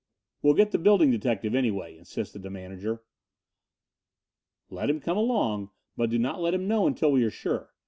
"We'll get the building detective, anyway," insisted the manager. "Let him come along, but do not let him know until we are sure.